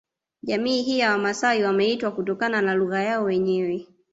Jamii hii ya Wamasai wameitwa kutokana na lugha yao wenyewe